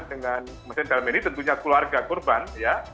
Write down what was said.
dengan maksudnya dalam ini tentunya keluarga korban ya